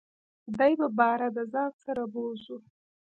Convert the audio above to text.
دی به باره دځان سره بوزو .